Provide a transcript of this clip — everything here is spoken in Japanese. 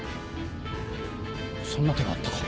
そんな手があったか。